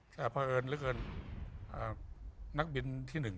แต่เพราะเอิญเลิกม์นางบินที่หนึ่ง